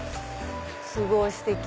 すごいステキ！